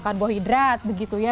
karbohidrat begitu ya